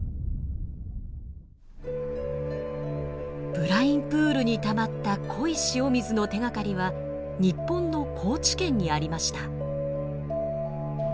ブラインプールにたまった濃い塩水の手がかりは日本の高知県にありました。